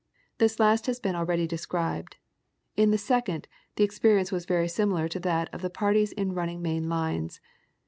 The last has been already described ; in the second the experi ence was very similar to that of the parties in running main lines.